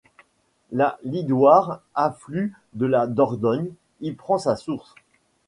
La Lidoire, affluent de la Dordogne, y prend sa source.